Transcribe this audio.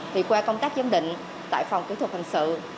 thì qua công tác giám định tại phòng kỹ thuật hình sự